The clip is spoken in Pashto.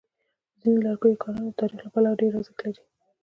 د ځینو لرګیو کارونه د تاریخ له پلوه ډېر ارزښت لري.